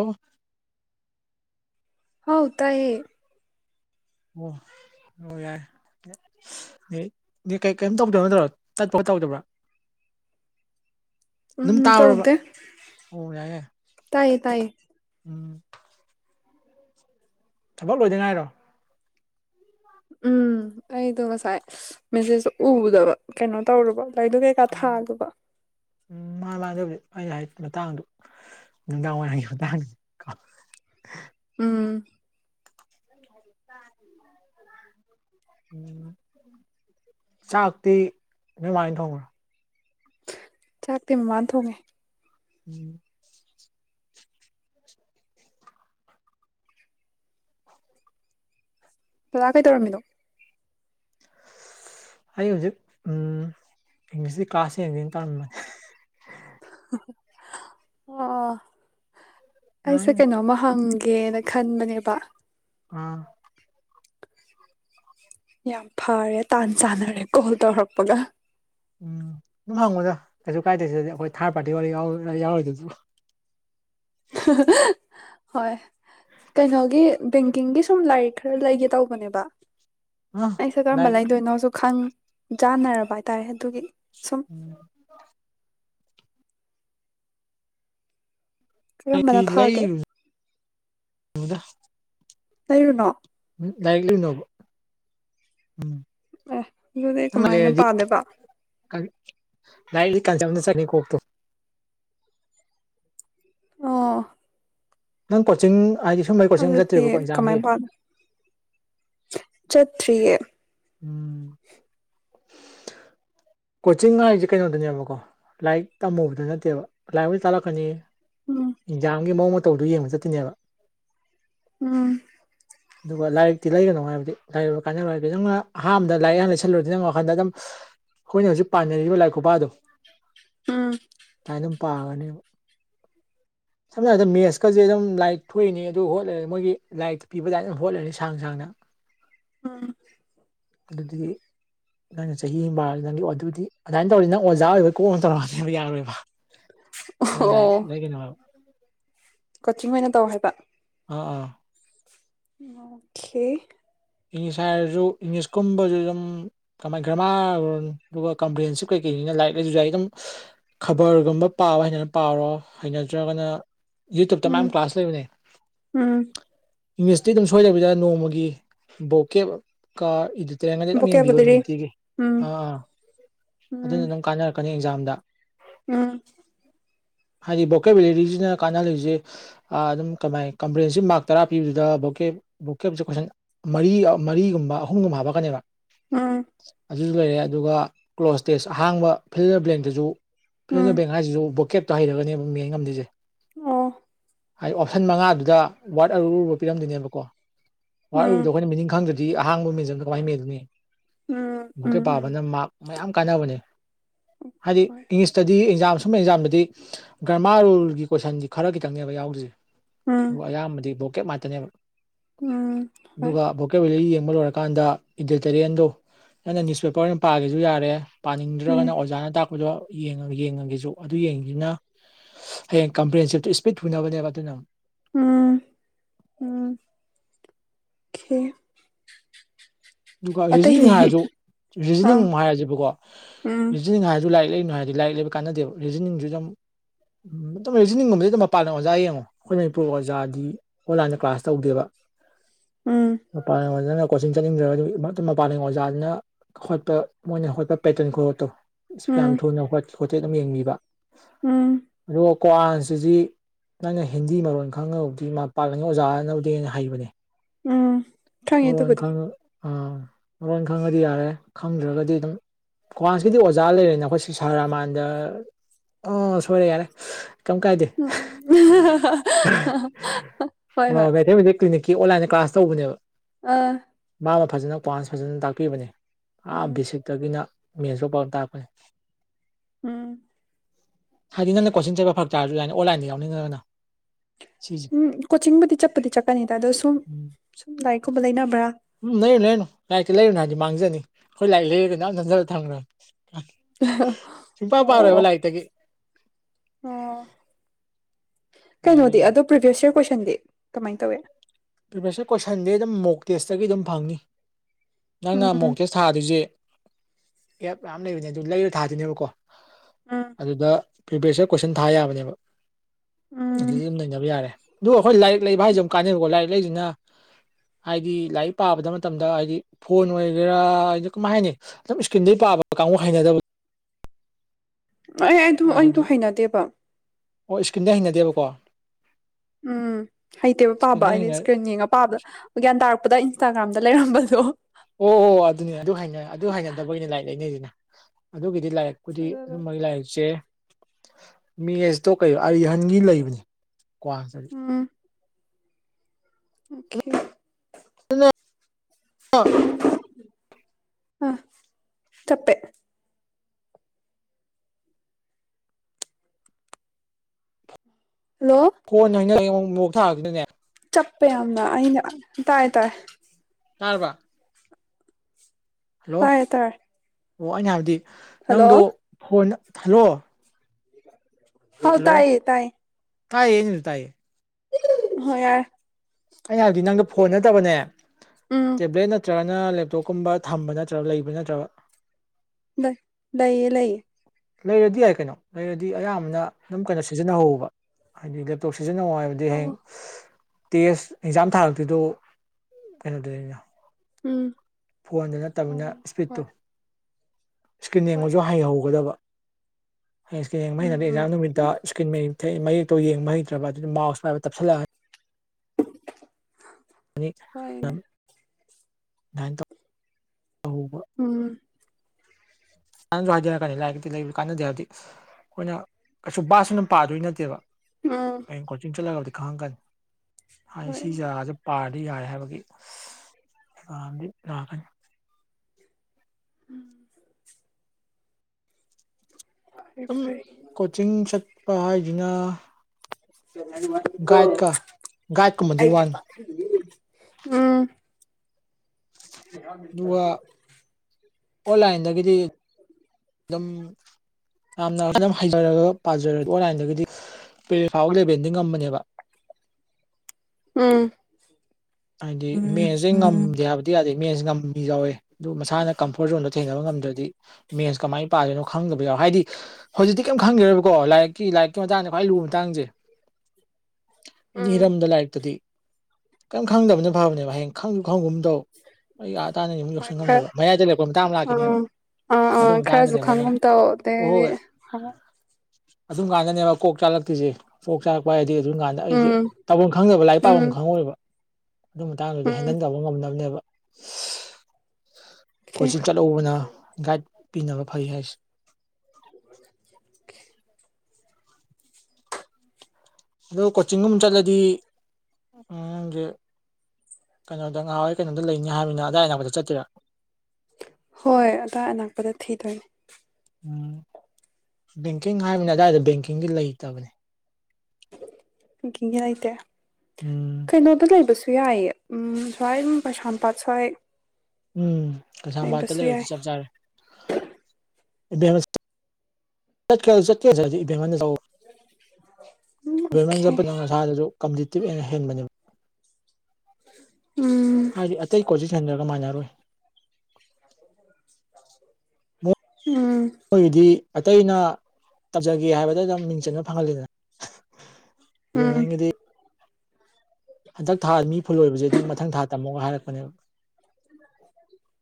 ꯑꯣ ꯍꯥꯎ ꯇ ꯍꯦ [inaudible] ꯑꯣ ꯑꯣ ꯌꯥꯏ ꯅ ꯀꯩ ꯀꯔꯤꯝ ꯇꯧꯗꯕ ꯅꯠꯇ꯭ꯔꯣ ꯆꯠꯄꯒ ꯇꯧꯗꯕꯣ [inaudible] ꯎꯝ ꯇꯥꯕ꯭ꯔꯕ ꯀꯧꯗꯦ ꯑꯣ ꯌꯥꯏ ꯌꯥꯏ ꯇꯥꯏꯌꯦ ꯇꯌꯦ ꯎꯝ ꯊꯕꯛ ꯂꯣꯏꯗ ꯉꯥꯏꯔꯣ ꯎꯝ ꯑꯩꯗꯣ ꯉꯁꯥꯏ ꯃꯦꯖꯦꯖꯇ ꯎꯗꯕ ꯀꯩꯅꯣ ꯇꯧꯔꯕkpnppppp ꯂꯩꯗꯨ ꯀꯩꯀꯥ ꯊꯥꯒꯕ ꯑꯩ ꯍꯥꯏ ꯃꯇꯥꯡꯗꯣ ꯅꯨꯡꯗꯥꯡ ꯋꯥꯏꯔꯝꯒꯤ ꯃꯇꯥꯡꯗ ꯀꯣ ꯎꯝ ꯇ ꯎꯝ ꯆꯥꯛꯇꯤ ꯅꯣꯏꯃꯥꯏꯅ ꯊꯣꯡꯕ꯭ꯔꯣ ꯆꯥꯛꯇꯤ ꯃꯃꯥꯟ ꯊꯣꯡꯉꯦ ꯎꯝ ꯑꯣꯖꯥ ꯀꯩꯗꯧꯔꯝꯃꯤꯅꯣ ꯑꯩ ꯍꯧꯖꯤꯛ ꯎꯝ ꯏꯪꯂꯤꯁꯀꯤ ꯀ꯭ꯂꯥꯁ ꯌꯦꯡꯒꯦꯅ ꯇꯧꯔꯝꯕꯅꯤ ꯑꯣ ꯑꯩꯁꯦ ꯌꯥꯅꯤꯗ ꯀꯩꯅꯣꯃ ꯍꯪ ꯒꯦꯅ ꯈꯟꯕꯅꯦꯕ ꯑꯝ ꯌꯥꯝ ꯐꯔꯦ ꯇꯥꯟ ꯆꯥꯟꯅꯔꯦ ꯀꯣꯜ ꯇꯧꯔꯛꯄꯒ ꯎꯝ ꯑꯗꯨꯝ ꯍꯪꯉꯨꯗ ꯀꯩꯁꯨ ꯀꯥꯏꯗꯦꯁꯤꯗꯗꯤ ꯑꯩꯈꯣꯏ ꯊꯥꯔ ꯄꯥꯔꯇꯤ ꯋꯥꯔꯤ ꯌꯥꯎꯔꯣꯏꯗꯁꯨ ꯍꯣꯏ ꯀꯩꯅꯣꯒꯤ ꯕꯦꯡꯀꯤꯡꯒꯤ ꯁꯨꯝ ꯂꯥꯏꯔꯤꯛ ꯈꯔ ꯂꯩꯒꯦ ꯇꯧꯕꯅꯦꯕ ꯑ ꯑꯩꯁꯦ ꯀꯔꯝꯕ ꯂꯥꯏꯔꯤꯛ ꯂꯩꯗꯣꯏꯅꯣꯁꯨ ꯈꯪꯖꯥꯟꯅꯔꯕ ꯍꯥꯏꯇꯥꯔꯦ ꯑꯗꯨꯒꯤ ꯁꯨꯝ ꯎꯝ ꯀꯔꯝꯕꯅ ꯐꯦ ꯊꯗ ꯇꯔꯨꯅꯣ ꯂꯥꯛꯛꯂꯤꯅꯣꯧꯕ ꯎꯝ ꯑꯦ ꯑꯗꯨꯗꯤ ꯀꯃꯥꯏꯅ ꯑꯦꯗꯤ ꯄꯥꯗꯣꯏꯕ ꯂ ꯀ ꯆꯝ ꯆꯅꯤꯦꯛ ꯍꯣꯨ ꯑꯣ ꯅꯪ ꯀꯣꯆꯤꯡ ꯍꯥꯏꯗꯤ ꯁꯨꯝꯕꯒꯤ ꯀꯣꯆꯤꯡ ꯆꯠꯇ꯭ꯔꯤꯕꯀꯣ ꯑꯗꯨꯗꯤ ꯀꯃꯥꯏ ꯑꯦꯛꯖꯥꯝꯒꯤ ꯄꯥ ꯊ꯭ꯔꯤꯌꯦ ꯎꯝ [unintelligible] ꯀꯣꯆꯤꯡ ꯍꯥꯏꯔꯤꯁꯦ ꯀꯩꯅꯣꯗꯨꯅꯦꯕꯀꯣ ꯂꯥꯏꯔꯤꯛ ꯇꯝꯃꯨꯕꯗꯨ ꯅꯠꯇꯦꯕ ꯂꯥꯏꯔꯤꯛ ꯑꯣꯏꯅ ꯇꯥꯂꯛꯀꯅꯤ ꯎꯝ ꯑꯦꯟꯖꯥꯝꯒꯤ ꯃꯑꯣꯡ ꯃꯇꯧꯗꯨ ꯌꯦꯡꯕ ꯆꯠꯇꯣꯏꯅꯦꯕ ꯎꯝ ꯑꯗꯨꯒ ꯂꯥꯏꯔꯤꯛꯇꯤ ꯂꯩꯒꯅꯨ ꯍꯥꯏꯕꯗꯤ ꯂꯥꯏꯔꯤꯛ ꯀꯥꯟꯅꯕ ꯍꯥꯏꯈꯤꯗꯪꯅ ꯑꯍꯥꯟꯕꯗ ꯂꯥꯏꯔꯤꯛ ꯍꯅ ꯂꯩꯁꯜꯂꯨꯔꯗꯤ ꯅꯪ ꯋꯥꯈꯜꯗ ꯑꯗꯨꯝ ꯑꯩꯈꯣꯏꯅ ꯍꯧꯖꯤꯛ ꯄꯥꯅꯔꯤꯕ ꯂꯥꯏꯔꯤꯛ ꯈꯨꯄꯥꯗꯣ ꯎꯝ ꯄꯥꯥꯅ [unintelligible] ꯁꯝꯅ ꯍꯥꯏꯔꯕꯗ ꯃꯦꯠꯁꯀꯁꯦ ꯑꯗꯨꯝ ꯂꯥꯏꯔꯤꯛ ꯊꯣꯛꯏꯅꯤ ꯑꯗꯨ ꯍꯣꯠꯂꯔꯦ ꯃꯣꯏꯒꯤ ꯂꯥꯏꯔꯤꯛꯇ ꯄꯤꯕꯗꯥꯏ ꯑꯗꯨꯝ ꯍꯣꯠꯂꯔꯅꯤ ꯁꯥꯡ ꯁꯥꯡꯅ ꯎꯝ ꯑꯗꯨꯗꯤ ꯅꯪꯅ ꯆꯍꯤ ꯑꯃꯔ ꯅꯪꯒꯤ ꯑꯗꯨꯗꯤ ꯑꯗꯨꯃꯥꯏꯅ ꯇꯧꯔꯗꯤ ꯅꯪ ꯑꯣꯖꯥ ꯑꯣꯏꯕ ꯀꯣꯛꯅ ꯇꯧꯔꯛꯑꯅꯦꯕ ꯌꯥꯔꯣꯏꯕ ꯂꯩ ꯑꯣ ꯂꯩꯒꯅ ꯃꯥꯕ ꯀꯣꯆꯤꯡ ꯑꯣꯏꯅ ꯇꯧ ꯍꯥꯏꯕ ꯑꯥ ꯑꯣꯀꯦ ꯏꯪꯂꯤꯁ ꯍꯥꯏꯔꯁꯨ ꯏꯪꯂꯤꯁꯀꯨꯝꯕꯁꯨ ꯑꯗꯨꯝ ꯀꯃꯥꯏ ꯒ꯭ꯔꯃꯥꯔ ꯑꯗꯨꯒ ꯀꯝꯄ꯭ꯔꯤꯍꯦꯟꯁꯤꯞ ꯀꯩꯀꯩ ꯅ ꯂꯥꯏꯔꯤꯛ ꯂꯥꯏꯁꯨ ꯑꯩ ꯑꯗꯨꯝ ꯈꯕꯔꯒꯨꯝꯕ ꯄꯥꯕ ꯍꯅ ꯄꯥꯔꯣ ꯍꯩꯅꯗ꯭ꯔꯒꯅ ꯌꯨꯇ꯭ꯕꯇ ꯃꯌꯥꯝ ꯎꯝ ꯀ꯭ꯂꯥꯁ ꯂꯩꯕꯅꯦ ꯎꯝ ꯏꯪꯂꯤꯁꯇꯤ ꯑꯗꯨꯝ ꯁꯣꯏꯗꯕꯤꯗ ꯅꯣꯡꯃꯒꯤ ꯕꯀꯦ ꯀꯥ ꯏ ꯇꯔꯦꯟꯉꯗꯤ ꯑꯗꯨꯝ ꯌꯦꯡꯕꯤꯌꯣ ꯕꯣꯀꯦꯕꯨꯂꯔꯤ ꯅꯨꯡꯇꯤꯒꯤ ꯎꯝ ꯑꯥ ꯑꯗꯨꯅ ꯎꯝ ꯅꯪ ꯀꯥꯟꯅꯔꯛꯀꯅꯤ ꯑꯦꯛꯖꯥꯝꯗꯥ ꯎꯝ ꯍꯥꯏꯗꯤ ꯕꯣꯀꯦꯕꯤꯂꯤꯔꯤꯁꯤꯅ ꯀꯥꯟꯅꯍꯜꯂꯤꯁꯦ ꯑꯥ ꯑꯗꯨꯝ ꯀꯃꯥꯏ ꯀꯝꯄꯍꯦꯟꯁꯤꯞ ꯃꯥ꯭ꯔꯛ ꯇꯔꯥ ꯄꯤꯕꯗꯨꯗ ꯚꯣꯀꯦ ꯚꯣꯀꯦꯕꯨꯛ ꯀꯣꯏꯁꯟ ꯃꯔꯤ ꯃꯔꯤꯒꯨꯝꯕ ꯑꯍꯨꯝꯒꯨꯝꯕ ꯍꯥꯞꯄꯛꯀꯅꯦꯕ ꯎꯝ ꯑꯗꯨꯁꯨ ꯂꯩꯔꯦ ꯑꯗꯨꯒ ꯀ꯭ꯂꯣꯁꯇꯦꯁ ꯑꯍꯥꯡꯕ ꯐꯤꯜꯂꯔ ꯕ꯭ꯂꯦꯛꯗꯁꯨ ꯐꯤꯜ ꯏꯟ ꯎꯝ ꯗ ꯕꯂꯦꯡ ꯍꯥꯏꯁꯤꯁꯨ ꯕꯣꯀꯦꯠ ꯑꯩꯔꯒꯅꯦꯕ ꯃꯦꯟ ꯉꯝꯗ꯭ꯔꯤꯁꯦ ꯑꯣ ꯍꯥꯏꯗꯤ ꯑꯣꯞꯁꯟ ꯃꯉꯥꯗꯨꯗ ꯋꯥꯔꯗ ꯑꯔꯨ ꯑꯔꯨꯕ ꯄꯤꯔꯝꯗꯣꯏꯅꯦꯕꯀꯣ ꯋꯥꯔꯗ ꯑꯔꯨꯕꯗꯣ ꯎꯝ ꯑꯩꯈꯣꯏꯅ ꯃꯤꯅꯤꯡ ꯈꯪꯗ꯭ꯔ ꯗꯨꯗꯤ ꯑꯍꯥꯡꯕ ꯃꯦꯟꯖꯟꯕ ꯀꯃꯥꯏ ꯃꯦꯜꯂꯨꯅꯤ ꯎꯝ ꯎꯝ ꯕꯣꯀꯦꯠ ꯎꯝ ꯄꯥꯕꯅ ꯃꯥꯛ ꯃꯌꯥꯝ ꯀꯥꯟꯅꯕꯅꯦ ꯍꯥꯏꯗꯤ ꯍꯣꯏ ꯏꯪꯂꯤꯁꯇꯗꯤ ꯌꯥꯝ ꯁꯨꯝꯕ ꯑꯦꯛꯖꯥꯝꯗꯗꯤ ꯒ꯭ꯔꯃꯥꯔ ꯔꯨꯜꯒꯤ ꯀꯣꯏꯁꯟꯗꯤ ꯈꯔ ꯈꯤꯇꯪꯅꯦꯕ ꯌꯥꯎꯗꯣꯏꯁꯦ ꯎꯝ ꯗꯨꯒ ꯑꯌꯥꯝꯕꯗꯤ ꯕꯣꯀꯦꯞ ꯉꯥꯛꯇꯅꯦꯕ ꯎꯝ ꯍꯣꯏ ꯑꯗꯨꯒ ꯕꯣꯀꯦꯕꯨꯂꯔꯤ ꯌꯦꯡ ꯈꯡꯕ ꯂꯣꯏꯔꯀꯥꯟꯗ ꯏꯟꯗꯇꯔꯦꯟꯗꯣ ꯅꯪꯅ ꯅ꯭ꯌꯨꯁꯄꯦꯄꯔ ꯑꯣꯏꯅ ꯄꯥꯒꯦꯁꯨ ꯌꯥꯔꯦ ꯄꯥꯅꯤꯡꯗ꯭ꯔꯒꯅ ꯎꯝ ꯑꯣꯖꯥꯅ ꯇꯥꯛꯄꯗꯣ ꯌꯦꯡꯉ ꯌꯦꯡꯉꯒꯦꯁꯨ ꯑꯗꯨ ꯌꯦꯡꯉꯤꯖꯤꯅꯥ ꯍꯌꯦꯡ ꯀꯝꯄ꯭ꯂꯦꯟꯁꯤꯞꯇꯨ ꯏꯁꯄꯤꯠ ꯊꯨꯅꯕꯅꯦꯕ ꯑꯗꯨꯅ ꯑꯃꯨꯛ ꯎꯝ ꯎꯝ ꯈꯦ ꯑꯗꯨꯒ ꯔꯤꯖꯅꯤꯡ ꯑꯇꯩꯗꯤ ꯍꯥꯏꯔꯁꯨ ꯔꯤꯖꯅꯤꯡ ꯑꯥ ꯑꯃꯨꯛ ꯍꯥꯏꯔꯁꯦꯕꯀꯣ ꯎꯝ ꯔꯤꯖꯅꯤꯡ ꯍꯥꯏꯔꯁꯨ ꯂꯥꯏ ꯂꯩꯒꯅꯣ ꯍꯥꯏꯗꯤ ꯂꯥꯏꯔꯤꯛ ꯂꯩꯕ ꯀꯥꯟꯅꯗꯦꯕ ꯔꯤꯖꯅꯤꯡꯁꯨ ꯑꯖꯨꯝ ꯎꯝ ꯑꯗꯨꯝ ꯔꯤꯖꯅꯤꯡꯒꯨꯝꯗꯤ ꯑꯗꯨꯝ ꯃꯄꯥꯟ ꯂꯝ ꯑꯣꯖꯥ ꯌꯦꯡꯉꯣ ꯑꯩꯈꯣꯏ ꯃꯅꯤꯄꯨꯔ ꯑꯣꯖꯥꯗꯤ ꯑꯣꯟꯂꯥꯏꯟꯗ ꯀ꯭ꯂꯥꯁ ꯇꯧꯗꯦꯕꯥ [inaudible] ꯃꯄꯥꯟ ꯂꯝ ꯑꯣꯖꯥꯅ ꯀꯣꯆꯤꯡ ꯆꯠꯅꯤꯡꯗ꯭ꯔꯒꯗꯤ ꯃꯄꯥꯟ ꯂꯝ ꯑꯣꯖꯥꯗꯨꯅ ꯍꯣꯠꯄ ꯃꯣꯏꯅ ꯍꯣꯠꯄ ꯄꯦꯇ꯭ꯔꯟ ꯈꯨꯍꯣꯠꯇꯣ ꯀꯌꯥꯝ ꯎꯝ ꯊꯨꯅ ꯍꯣꯠꯀꯦ ꯀꯣꯇꯦꯠ ꯑꯗꯨꯝ ꯌꯦꯡꯕꯤꯕꯥ ꯎꯝ ꯀ꯭ꯋꯥꯟꯁ ꯁꯤꯖꯤ ꯅꯪꯅ ꯍꯤꯟꯗꯤ ꯃꯔꯣꯟ ꯈꯪꯉꯕꯕꯨꯗꯤ ꯃꯄꯥꯟꯂꯝꯒꯤ ꯑꯣꯖꯥꯅꯕꯨꯗꯤ ꯍꯦꯟꯅ ꯍꯩꯕꯅꯦ ꯎꯝ ꯈꯪꯉꯦ ꯃꯔꯣꯟ ꯑꯗꯨꯕꯨꯗꯤ ꯈꯪꯉ ꯑꯥ ꯃꯔꯣꯟ ꯈꯪꯉꯗꯤ ꯌꯥꯔꯦ ꯈꯪꯗ꯭ꯔꯒꯗꯤ ꯑꯗꯨꯝ ꯀ꯭ꯋꯥꯟꯁꯀꯤꯗꯤ ꯑꯣꯖꯥ ꯂꯩꯔꯦꯅ ꯑꯩꯈꯣꯏ ꯁꯤ ꯁꯔ ꯔꯥꯃꯥꯟꯗ ꯑ ꯁꯣꯏꯔꯦ ꯌꯥꯔꯦ ꯀꯩꯝ ꯀꯥꯏꯗꯦ ꯍꯣꯏ ꯍꯣꯏ ꯃꯦꯊꯃꯦꯇꯤꯛ ꯀ꯭ꯂꯤꯅꯤꯛꯀꯤ ꯑꯣꯟꯂꯥꯏꯟꯗ ꯀ꯭ꯂꯥꯁ ꯇꯧꯕꯅꯦꯕ ꯑ ꯃꯥꯑꯃ ꯐꯖꯅ ꯀ꯭ꯋꯥꯟꯁ ꯐꯖꯅ ꯇꯥꯛꯄꯤꯕꯅꯦ ꯑꯥ ꯎꯝ ꯕꯦꯁꯤꯛꯇꯒꯤꯅ ꯃꯦꯖꯨ ꯐꯖꯅ ꯇꯥꯛꯄꯅꯦ ꯎꯝ ꯍꯥꯏꯗꯤ ꯅꯪꯅ ꯀꯣꯆꯤꯡ ꯆꯠꯄ ꯐꯔꯛ ꯇꯥꯔꯁꯨ ꯑꯗꯥꯏꯅ ꯑꯣꯟꯂꯥꯏꯟꯗ ꯌꯥꯎꯅꯤꯡꯉꯒꯅ ꯁꯤꯁꯦ ꯎꯝ ꯀꯣꯆꯤꯡꯕꯨꯗꯤ ꯆꯠꯄꯗꯤ ꯆꯠꯀꯅꯤꯗ ꯑꯗꯣ ꯁꯨꯝ ꯎꯝ ꯁꯨꯝ ꯂꯥꯏꯔꯤꯛꯀꯨꯝꯕ ꯂꯩꯅꯕ꯭ꯔꯥ ꯎꯝ ꯂꯩꯔꯨꯅꯨ ꯂꯩꯔꯨꯅꯨ ꯂꯥꯏꯔꯤꯛꯇꯤ ꯂꯩꯔꯨꯅꯨ ꯍꯥꯏꯗꯤ ꯃꯥꯡꯖꯅꯤ ꯑꯩꯈꯣꯏ ꯂꯥꯏꯔꯤꯛ ꯂꯩꯔꯒ ꯃꯌꯥꯝ ꯅꯝꯖꯜꯂ ꯊꯝꯒ꯭ꯔꯕꯅꯤ ꯁꯨꯡꯄꯥ ꯄꯥꯔꯣꯏ ꯍꯥꯏꯕ ꯑꯣ ꯂꯥꯏꯔꯤꯛꯇꯒꯤ ꯑꯣ ꯀꯩꯅꯣꯗꯤ ꯑꯗꯣ ꯄ꯭ꯔꯤꯚꯤꯁꯌꯔ ꯀꯣꯏꯁꯟꯗꯤ ꯀꯃꯥꯏ ꯇꯧꯏ ꯄ꯭ꯔꯤꯚꯤꯁꯁꯔ ꯀꯣꯏꯁꯟꯗꯤ ꯑꯗꯨꯝ ꯃꯣꯛ ꯇꯦꯁꯇꯒꯤ ꯑꯗꯨꯝ ꯐꯪꯅꯤ ꯅꯪꯅ ꯎꯝ ꯃꯣꯛ ꯇꯦꯁ ꯊꯥꯗꯣꯏꯁꯦ ꯑꯦꯞ ꯃꯌꯥꯝ ꯂꯩꯕꯅꯦ ꯑꯗꯨ ꯂꯩꯔ ꯊꯥꯗꯣꯏꯅꯦꯕꯀꯣ ꯎꯝ ꯑꯗꯨꯗ ꯄ꯭ꯔꯤꯚꯤꯌꯁ ꯀꯣꯏꯁꯟ ꯊꯥ ꯌꯥꯕꯅꯦꯕ ꯎꯝ ꯑꯗꯨꯗꯤ ꯑꯗꯨꯝ ꯅꯩꯅꯕ ꯌꯥꯔꯦ ꯑꯗꯣ ꯑꯩꯈꯣꯏ ꯂꯥꯏꯔꯤꯛ ꯂꯩꯕ ꯍꯥꯏꯁꯦ ꯑꯃꯨꯛ ꯀꯥꯟꯅꯩꯕꯀꯣ ꯂꯥꯏꯔꯤꯛ ꯂꯩꯔꯤꯖꯤꯅ ꯍꯥꯏꯗꯤ ꯂꯥꯏꯔꯤꯛ ꯄꯥꯕꯗ ꯃꯇꯝꯗ ꯍꯥꯏꯗꯤ ꯐꯣꯟ ꯑꯣꯏꯒꯦꯔꯥ ꯍꯥꯏꯗꯤ ꯀꯃꯥꯏ ꯍꯥꯏꯅꯤ ꯑꯗꯨꯝ ꯏꯁꯀ꯭ꯔꯤꯟꯗꯩ ꯄꯥꯕ ꯀꯥꯡꯕꯨ ꯍꯩꯅꯗꯕ [inaudible] ꯑꯩ ꯑꯗꯨ ꯑꯩꯗꯣ ꯍꯥꯏꯗꯤ ꯍꯩꯅꯗꯦꯕ ꯑꯣ ꯏꯁꯀ꯭ꯔꯤꯟꯗ ꯍꯩꯅꯗꯦꯕꯀꯣ ꯎꯝ ꯍꯩꯇꯦꯕ ꯄꯥꯕ ꯏꯁꯀ꯭ꯔꯤꯟꯗ ꯍꯥꯏꯗꯤ ꯍꯩꯅ ꯏꯁꯀ꯭ꯔꯤꯟ ꯌꯦꯡꯉ ꯄꯥꯕꯗ ꯒ꯭ꯌꯥꯟ ꯇꯥꯔꯛꯄ ꯂꯗ ꯏꯟꯁꯇꯥꯒ꯭ꯔꯥꯝꯗ ꯂꯩꯔꯝꯕꯗꯣ ꯑꯣꯍꯣ ꯑꯗꯨꯅꯤ ꯑꯗꯨ ꯑꯗꯨ ꯍꯥꯏꯅꯗꯕꯒꯤꯅꯦ ꯂꯥꯏꯔꯤꯛ ꯂꯩꯅꯩꯁꯤꯅ ꯑꯗꯨꯒꯤ ꯍꯥꯏ ꯂꯥꯏꯔꯤꯛꯄꯨꯗꯤ ꯑꯗꯨꯒ ꯑꯗꯨꯝꯕꯒꯤ ꯂꯥꯏꯔꯤꯛꯁꯦ ꯃꯤ ꯑꯁꯤꯇꯣ ꯀ ꯑꯔꯤꯍꯟꯒꯤ ꯂꯩꯕꯅꯤ ꯀ꯭ꯔꯤ ꯑꯣꯦ ꯑ ꯑ ꯑꯥ ꯇꯄꯦ ꯍꯜꯂꯣ ꯀꯣꯟ ꯍꯥꯏꯅꯡꯉꯨꯛ ꯃꯣꯛ ꯊꯥꯁꯤꯗꯨꯅꯦ ꯆꯄꯦ ꯑꯃ ꯑꯩꯅ ꯇꯥꯏ ꯇꯥꯏ ꯇꯔꯔꯕ ꯇꯥꯏꯦ ꯇꯥꯏ ꯑꯣ ꯑꯩꯅ ꯍꯥꯏꯕꯗꯤ ꯅꯪꯗꯣ ꯐꯣꯟ ꯊꯜꯂꯛꯑꯣ ꯍ ꯇꯥꯏꯌꯦ ꯇꯥꯏꯌꯦ ꯇꯥꯏꯌꯦꯅꯤ ꯇꯥꯏꯌꯦ ꯍꯣꯏ ꯌꯥꯔ ꯑꯩ ꯍꯥꯏꯕꯗꯤ ꯅꯪꯗ ꯐꯣꯟ ꯅꯠꯇꯕꯅꯦ ꯎꯝ ꯇꯦꯕ꯭ꯂꯦꯠ ꯅꯠꯇ꯭ꯔꯒ ꯅꯅ ꯂꯦꯞꯇꯣꯞꯀꯨꯝꯕ ꯊꯝꯕ ꯅꯠꯇ꯭ꯔ ꯂꯩꯕ ꯅꯠꯇ꯭ꯔ ꯂ ꯂꯩꯌꯦ ꯂꯩꯌꯦ ꯂꯩꯔꯗꯤ ꯌꯥꯏ ꯀꯩꯅꯣ ꯂꯩꯔꯗꯤ ꯑꯌꯥꯝꯕꯅ ꯑꯗꯨꯝ ꯀꯩꯅꯣ ꯁꯤꯖꯤꯟꯅꯍꯧꯕ ꯍꯥꯏꯗꯤ ꯂꯦꯞꯇꯣꯞꯁꯦ ꯁꯤꯖ ꯅꯨꯡꯉꯥꯏꯕꯗꯤ ꯍꯌꯦ ꯑꯣ ꯇꯦꯁ ꯑꯦꯛꯖꯥꯝ ꯊꯥꯔꯛꯇꯣꯏꯗꯣ ꯀꯩꯅꯣꯗꯧꯅ ꯎꯝ ꯐꯣꯟꯗ ꯅꯠꯇꯕꯅ ꯍꯣꯏ ꯏꯁꯄꯤꯠꯇꯨ ꯏꯁꯀ꯭ꯔꯤꯟ ꯍꯣꯏ ꯌꯦꯡꯕꯁꯨ ꯍꯩꯍꯧꯒꯗꯕ ꯑꯩ ꯎꯝ ꯃꯩꯅ ꯎꯝ ꯑꯦꯛꯖꯥꯝ ꯅꯨꯃꯤꯠꯇ ꯏꯁꯀꯔꯤ ꯊꯌꯦꯛ ꯣ ꯌꯦꯡꯕ ꯍꯩꯇ꯭ꯔꯕ ꯑꯗꯨꯗꯤ ꯃꯥꯎꯁ ꯄꯥꯏꯕ ꯇꯞꯁꯁꯤꯜꯂꯛꯑꯅꯤ ꯍꯣꯏꯅꯦ ꯅꯤꯥꯏꯗ ꯎꯝ ꯅꯁꯨ ꯍꯥꯏꯖꯔꯛꯀꯅꯤ ꯂꯥꯏꯔꯤꯛꯇꯗꯤ ꯂꯩꯕꯁꯨ ꯀꯥꯟꯅꯗꯦ ꯍꯥꯏꯕꯗꯤ ꯑꯩꯈꯣꯏꯅ ꯀꯩꯁꯨ ꯄꯕꯥꯁꯨꯅ ꯄꯥꯗꯣꯏ ꯅꯠꯇꯦꯕ ꯎꯝ ꯀꯣꯆꯤꯡ ꯆꯠꯂꯒꯕꯗꯤ ꯈ ꯀꯅꯤ ꯍꯣꯏ ꯁꯤꯖꯁꯦꯥ ꯌꯥꯔꯦ ꯍꯥꯏꯕꯒꯤꯝ ꯂꯥꯛꯀꯅꯤ ꯎꯝ ꯑꯗꯨꯝ ꯐꯔꯦ ꯀꯣꯆꯤꯡ ꯆꯠꯄ ꯍꯥꯏꯁꯤꯅ ꯒꯥꯏꯗꯀ ꯒꯥꯏꯗꯀꯨꯝꯕꯗꯤ ꯋꯥꯅꯤ ꯎꯝ ꯑꯗꯨꯒ [unintelligible] ꯑꯣꯟꯂꯥꯏꯟꯗꯒꯤꯗꯤ ꯎ ꯌꯥꯝꯅ ꯑꯗꯨꯅ ꯍꯩꯖꯔꯒ ꯄꯥꯖꯔ ꯑꯣꯟꯂꯥꯏꯟꯗꯒꯤꯗꯤ ꯐꯥꯎ ꯂꯩꯦꯕꯦꯟꯗꯤ ꯉꯝꯕꯅꯦꯕ ꯎꯝ ꯍꯥꯏꯗꯤ ꯃꯁꯦ ꯉꯝꯗꯦ ꯍꯥꯏꯕꯗꯤ ꯌꯥꯗꯦ ꯃꯦꯟꯁ ꯉꯝꯃꯤ ꯌꯥꯎꯋꯦ ꯑꯗꯨ ꯃꯁꯥꯅ ꯀꯝꯐꯣꯔꯠ ꯖꯣꯟꯗꯣ ꯊꯦꯡꯅꯕ ꯉꯝꯗ꯭ꯔꯗꯤ ꯃꯦꯟꯁ ꯀꯃꯥꯏꯅ ꯄꯥꯗꯣꯏꯅꯣ ꯈꯪꯗꯕ ꯌꯥꯎꯔꯦ ꯍꯥꯏꯗꯤ ꯍꯧꯖꯤꯛꯇꯤ ꯀꯩꯝ ꯈꯪꯗ꯭ꯔꯦꯕꯀꯣ ꯂꯥꯏꯔꯤꯛꯀꯤ ꯂꯥꯏꯔꯤꯛꯀꯤ ꯃꯇꯥꯡꯗ ꯈ꯭ꯋꯥꯏ ꯂꯨꯕ ꯃꯇꯥꯡꯁꯦ [inaudible] ꯑꯦꯅꯤ ꯎꯝ ꯍꯤꯔꯝꯗ ꯂꯥꯏꯔꯤꯛꯇꯗꯤ ꯀꯔꯤꯝ ꯈꯪꯗꯕꯅ ꯐꯕꯅꯦꯕ ꯍꯌꯦꯡ ꯈꯪꯁꯨ ꯈꯪꯒꯨꯝ ꯇꯧ ꯑꯩ ꯍꯇꯥꯅꯤ ꯑꯃꯨ ꯍꯣꯏ ꯂꯧꯁꯟ ꯉꯝꯗꯕ ꯈꯔ ꯃꯌꯥꯏꯗ ꯂꯄ ꯃꯇꯇꯥ ꯑꯃ ꯂꯥꯛꯈꯤꯅꯦꯕ ꯎꯝ ꯑꯥ ꯑꯗꯨ ꯑꯥ ꯈꯔꯁꯨ ꯃꯇꯥꯡꯗꯅꯦꯕ ꯅꯪ ꯈꯪꯒꯨꯝ ꯇꯧ ꯑꯗꯩꯗꯤ ꯑꯣꯍꯣꯏꯣꯏ ꯍꯣꯏ ꯑꯗꯨꯝ ꯀꯥꯟꯗꯅꯦꯕ ꯀꯣꯛ ꯆꯥꯂꯛꯇ꯭ꯁꯦ ꯀꯣꯛ ꯆꯥꯔꯛꯄ ꯍꯥꯏꯗꯤ ꯑꯗꯨ ꯀꯥꯟꯗ ꯑꯩꯁꯦ ꯎꯝ ꯇꯥꯐꯝ ꯈꯪꯗꯦꯕ ꯂꯥꯏꯔꯤꯛ ꯄꯥꯐꯝ ꯎꯝ ꯈꯪꯉꯣꯏꯦꯕ ꯑꯗꯨ ꯃꯇꯥꯡꯗꯨꯗ ꯎꯝ ꯍꯦꯟꯖꯟ ꯇꯧꯕ ꯉꯝꯅꯕꯅꯦꯕ ꯑꯣꯀꯦ ꯀꯣꯆꯤꯡ ꯆꯠꯍꯧꯕꯅ ꯒꯥꯏꯠ ꯄꯤꯅꯕ ꯐꯩ ꯍꯥꯏꯁꯦ [inaudible] ꯑꯗꯣ ꯀꯣꯆꯤꯡꯒꯨꯝ ꯆꯠꯂꯗꯤ ꯎꯁꯦ ꯀꯩꯅꯣꯗ ꯉꯥꯏꯍꯋꯥꯣꯏ ꯀꯩꯅꯣꯗ ꯂꯩꯅꯤ ꯍꯥꯏꯕꯅꯤꯅ ꯑꯗꯥꯏ ꯑꯅ ꯈꯛꯇ ꯆꯠꯇꯔꯥ ꯊ ꯇꯣꯏ ꯎꯝ ꯕꯦꯡꯀꯤꯡ ꯍꯥꯏꯕꯅꯤ ꯑꯗꯨꯗꯥꯏꯗ ꯕꯦꯡꯀꯤꯡꯗꯤ ꯂꯩꯇꯕꯅꯤ ꯅꯥꯏꯇꯦ ꯎꯝ ꯀꯩꯅꯩꯅꯣꯗ ꯂꯩꯏꯕꯁ ꯁꯨ ꯌꯥꯏꯌꯦ ꯎꯝ ꯁꯋꯥꯏ ꯑꯗꯨꯝ ꯄꯩꯁꯥꯝꯄꯥꯠ ꯁ꯭ꯏ ꯎꯝ ꯀꯩꯁꯥꯝꯄꯥꯠꯇ ꯂꯩꯔꯗꯤ ꯆꯞ ꯆꯥꯔꯦ ꯆꯠꯀ ꯆꯠꯀꯦꯃ ꯎꯝ ꯚꯞꯃꯦꯟ ꯑꯣꯀꯦ ꯆꯠꯄꯗ ꯉꯁꯥꯗꯁꯨ ꯀꯝꯄꯤꯇꯤꯇꯤꯚꯅ ꯍꯦꯟꯕꯅꯦꯕ ꯎꯝ ꯍꯥꯏꯗꯤ ꯑꯇꯩ ꯀꯣꯆꯤꯡ ꯁꯟꯖꯔꯒ ꯃꯥꯟꯅꯔꯣꯏ ꯎꯝ ꯑꯇꯩꯩꯅ ꯇꯧꯖꯒꯦ ꯍꯥꯏꯕꯗ ꯑꯗꯨꯝ ꯃꯤꯡ ꯆꯟꯕ ꯐꯪꯍꯜꯂꯤꯗꯅ ꯎꯝ ꯑꯗꯨꯃꯥꯏꯒꯤꯗꯤ ꯍꯟꯗꯛ ꯊꯥ ꯃꯤ ꯐꯨꯜ ꯂꯣꯏꯕꯁꯦ ꯅꯪ ꯃꯊꯪ ꯊꯥ ꯇꯝꯃꯣꯒ ꯍꯥꯏꯔꯛꯄꯅꯦꯕ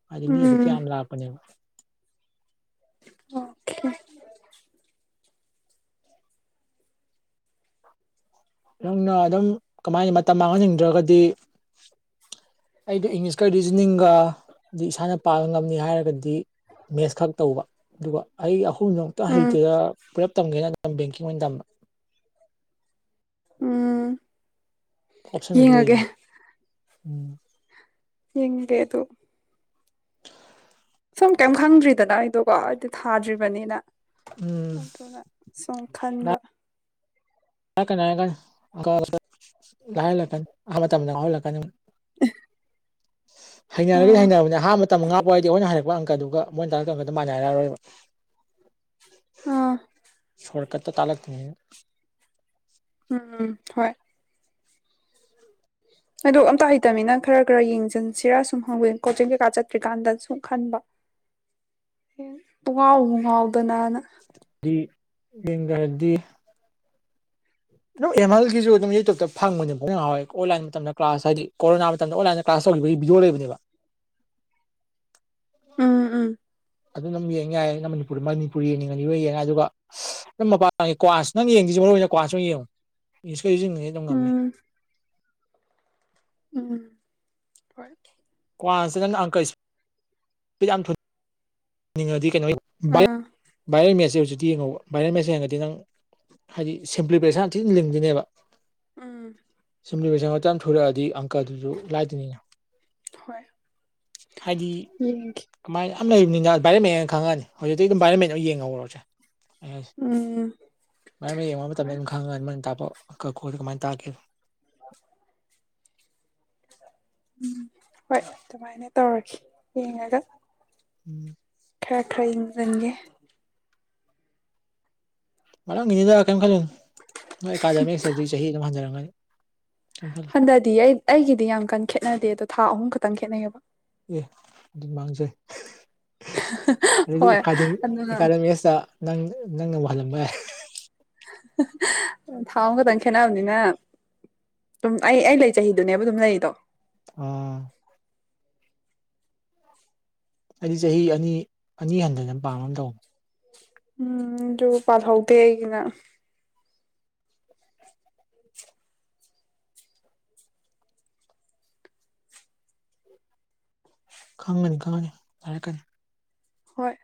ꯍꯥꯏꯗꯤ ꯃꯤ ꯑꯗꯨ ꯎꯝ ꯀꯌꯥꯝ ꯂꯥꯛꯄꯅꯦꯕ ꯑꯣꯀꯦ ꯅꯪꯅ ꯑꯗꯨꯝ ꯀꯃꯥꯏꯅ ꯃꯇꯝ ꯃꯥꯡꯍꯟꯅꯤꯡꯗ꯭ꯔꯒꯗꯤ ꯑꯩꯗꯣ ꯏꯪꯂꯤꯁꯀ ꯔꯤꯖꯅꯤꯡꯒꯗꯤ ꯏꯁꯥꯅ ꯄꯥꯕ ꯉꯝꯅꯤ ꯍꯥꯏꯔꯒꯗꯤ ꯃꯦꯁ ꯈꯛ ꯇꯧꯕ ꯑꯗꯨꯒ ꯑꯩ ꯄꯨꯝꯗꯃꯨꯛꯇ ꯎꯝ ꯍꯩꯇꯦꯗ ꯄꯨꯂꯞ ꯇꯝꯒꯦꯅ ꯕꯦꯡꯀꯤꯡ ꯑꯣꯏꯅ ꯇꯝꯕꯝꯕ ꯎꯝ ꯄ꯭ꯔꯣꯞꯁꯟꯗꯨꯗꯤ ꯌꯦꯡꯉꯒꯦ ꯂꯩꯕ ꯎꯝ ꯍꯡꯦ ꯑꯗꯨ ꯁꯝ ꯀꯥꯏꯝ ꯈꯪꯗ꯭ꯔꯤꯗꯅ ꯑꯩꯗꯣꯀꯣ ꯑꯩꯗꯤ ꯊꯥꯗ꯭ꯔꯤꯕꯅꯤꯅ ꯎꯝ ꯑꯗꯨꯅ ꯁꯨꯝ ꯈꯟꯕ ꯍꯥꯏꯔꯛꯀꯅꯤ ꯍꯥꯏꯔꯀ ꯂꯥꯏꯍꯜꯂꯛꯀꯅꯤ ꯑ ꯃꯇꯝꯗ ꯌꯥꯎꯍꯜꯂꯛꯀꯅꯤ [inaudible] ꯍꯩꯅꯔꯒꯗꯤ ꯑꯥ ꯍꯩꯅꯔꯕꯅꯦ ꯑꯍꯥꯟꯕ ꯃꯇꯝ ꯃꯉꯥ ꯄꯏꯗꯤ ꯑꯣꯏꯅ ꯍ ꯍꯥꯏꯔꯛꯄ ꯀꯗꯨꯒ ꯃꯣꯏꯅ ꯇꯥꯔ ꯀꯒꯗ ꯃꯥꯟꯅ ꯍꯥꯏꯔꯛꯔꯣꯏꯕ ꯑꯥ ꯇꯥꯂꯛꯇꯅꯤ ꯎꯝ ꯍꯣꯏ [inaudible] ꯍꯥꯏꯗꯣꯛ ꯑꯝꯇ ꯍꯩꯇꯃꯤꯅ ꯈꯔ ꯈꯔ ꯌꯦꯡꯁꯤꯟꯁꯤꯔꯥ ꯁꯨꯝ ꯍꯪꯕꯤ ꯀꯣꯆꯤꯡ ꯀꯩꯀꯥ ꯆꯠꯇ꯭ꯔꯤꯀꯥꯟꯗ ꯁꯨꯝ ꯈꯟꯕ ꯉꯥꯎꯕ ꯉꯥꯎꯗꯅꯅ ꯗꯤ ꯌꯦꯒꯥꯗꯤ ꯑꯗꯨꯝ ꯑꯦꯝ ꯑꯜꯒꯤꯁꯨ ꯑꯗꯨꯝ ꯌꯨꯇꯨꯕꯇ ꯐꯪꯕꯅꯤ ꯍꯥꯎꯋꯦ ꯑꯣꯟꯂꯥꯏꯟ ꯃꯇꯝꯗ ꯀ꯭ꯂꯥꯁ ꯍꯥꯏꯗꯤ ꯀꯣꯔꯣꯅꯥ ꯃꯇꯝꯗ ꯑꯣꯟꯂꯟ ꯀ꯭ꯂꯥꯁ ꯕꯤꯖꯣꯔꯦꯕꯅꯦꯕ ꯎꯝ ꯎꯝ ꯑꯗꯨ ꯑꯗꯨꯝ ꯌꯦꯡ ꯌꯥꯏ ꯃꯅꯤꯄꯨ ꯃꯅꯤꯄꯨꯔꯤ ꯌꯦꯡꯅꯤꯡꯉꯅꯤ ꯑꯣꯏ ꯌꯦꯡꯉ ꯑꯗꯨꯒ ꯅꯝ ꯃꯄꯥꯟ ꯀ꯭ꯋꯥꯁ ꯅꯪ ꯌꯦꯡꯗꯁꯦ ꯃꯔꯨꯏ ꯑꯣꯏꯅ ꯀ꯭ꯋꯥꯥꯁ ꯑꯣꯏꯅ ꯌꯦꯡꯉꯨ ꯏꯪꯂꯤꯁ ꯀꯩꯁꯨ ꯑꯗꯨꯝ ꯉꯝꯅꯤ ꯎꯝ ꯎꯝ ꯍ ꯃꯁꯤ ꯅꯪ ꯑꯪꯀꯜꯁꯤ ꯌꯥꯝ ꯊꯨꯅ ꯅꯤꯡꯉꯗꯤ ꯀꯩꯅꯣꯅꯤ ꯑꯥ ꯚꯥꯏꯔꯦꯜ ꯃꯦꯁꯦꯖ ꯑꯗꯨꯖꯤꯗꯤ ꯌꯦꯡꯉꯧꯕ ꯚꯥꯏꯔꯦꯟ ꯃꯦꯁꯦ ꯌꯦꯡꯉꯗꯤ ꯅꯪ ꯍꯥꯏꯗꯤ ꯁꯤꯝꯄ꯭ꯂꯤꯐꯤꯀꯦꯁꯟ ꯌꯥꯝ ꯊꯤꯅ ꯂꯤꯡꯗꯣꯏꯅꯦꯕ ꯑꯥ ꯌꯨꯝꯂꯤ ꯃꯁꯤꯡꯁꯪ ꯃꯇꯝ ꯊꯨꯔꯛꯑꯗꯤ ꯑꯪꯀꯜꯗꯨꯁꯨ ꯂꯥꯏꯇꯅꯤꯅ ꯍꯣꯏ ꯍꯥꯏꯗꯤ ꯌꯦꯡꯒꯦ ꯀꯃꯥꯏꯅ ꯌꯥꯝ ꯂꯩꯕꯅꯤꯅ ꯚꯥꯏꯔꯃꯦꯦꯟꯅ ꯈꯪꯉꯑꯅꯤ ꯍꯧꯖꯤꯛꯇꯤ ꯑꯗꯨꯝ ꯚꯔꯃꯦꯦꯟꯗ ꯌꯦꯡꯍꯧꯨꯔꯁꯦ ꯑ ꯎꯝ ꯃꯔ ꯌꯦꯡ ꯃꯇꯝꯗ ꯍꯣꯏ ꯑꯗꯨꯝ ꯈꯪꯉꯅꯤ ꯃꯔ ꯇꯥꯄ ꯀ ꯀꯣꯔ ꯀꯃꯥꯏꯅ ꯇꯥꯒꯦ [inaudible] ꯎꯝ ꯍꯣꯏ ꯑꯗꯨꯃꯥꯏꯅ ꯇꯧꯔꯒꯦ ꯌꯦꯡꯉꯒ ꯎꯝ ꯈꯔ ꯈꯔ ꯌꯦꯡꯖꯟꯒꯦ ꯃꯔꯝꯒꯤꯅꯤꯅ ꯀꯔꯤꯝ ꯈꯜꯂꯨꯣ ꯅꯣꯏ ꯑꯦꯀꯥꯗꯃꯤꯛꯁꯇꯗꯤ ꯆꯍꯤ ꯑꯗꯨꯝ ꯍꯟꯖꯔꯝꯒꯅꯤ ꯀꯩꯝ ꯈꯜꯂꯨ ꯍꯟꯗꯗꯤ ꯑꯩ ꯑꯩꯒꯤꯗꯤ ꯌꯥꯝ ꯀꯟꯅ ꯈꯦꯠꯅꯗꯦ ꯑꯗꯣ ꯊꯥ ꯑꯍꯨꯝ ꯈꯛꯇꯪ ꯈꯦꯠꯅꯩꯌꯦꯕ ꯑꯦ ꯑꯗꯨꯝ ꯃꯥꯡꯖꯩ ꯍꯣꯏ ꯑꯗꯨꯗꯤꯀꯥ ꯑꯗꯨꯅ ꯑꯦꯀꯥꯗꯃꯤ ꯑꯁꯤꯇ ꯅꯪ ꯅꯪꯅ ꯑꯃꯨꯛ ꯍꯜꯂꯝꯕ ꯌꯥꯏ ꯊꯥꯎ ꯑꯃ ꯈꯛꯇꯪ ꯈꯦꯠꯅꯕꯅꯤꯅ ꯑꯗꯨꯝ ꯑꯩ ꯑꯩ ꯂꯩ ꯆꯍꯤꯗꯨꯅꯦꯕ ꯑꯗꯨꯝ ꯂꯩꯗꯣ ꯑꯥ ꯑꯩꯗꯤ ꯆꯍꯤ ꯑꯅꯤ ꯑꯅꯤ ꯍꯟꯊꯅ ꯄꯥꯝ ꯑꯃ ꯇꯧꯕꯅꯦ ꯎꯝ ꯌ ꯄꯥꯊ ꯍꯧꯗ ꯍꯥꯏꯒꯤꯅ ꯈꯪꯉꯅꯤ ꯈꯪꯉꯅꯤꯔꯅꯤ ꯍꯣꯏ